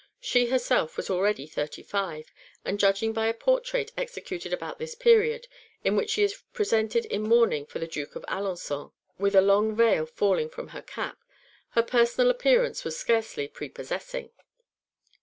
She herself was already thirty five, and judging by a portrait executed about this period, (2) in which she is represented in mourning for the Duke of Alençon, with a long veil falling from her cap, her personal appearance was scarcely prepossessing.